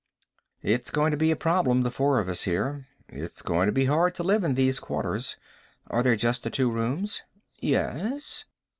"It's going to be a problem, the four of us here. It's going to be hard to live in these quarters. Are there just the two rooms?" "Yes."